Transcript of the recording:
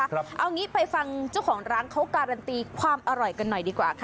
เอางี้ไปฟังเจ้าของร้านเขาการันตีความอร่อยกันหน่อยดีกว่าค่ะ